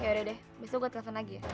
yaudah yaudah besok gue telepon lagi ya